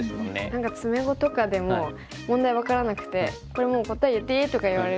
何か詰碁とかでも問題分からなくて「これもう答え言っていい？」とか言われると。